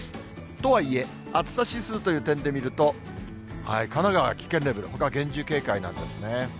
とはいえ、暑さ指数という点で見ると、神奈川、危険レベル、ほか厳重警戒なんですね。